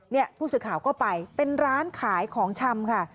นี่ผู้สื่อข่าวก็ไปเป็นร้านขายของชำค่ะ